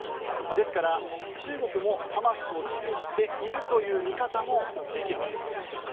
ですから、中国もハマスを支持しているという見方もできるわけなんです。